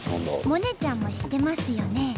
萌音ちゃんも知ってますよね？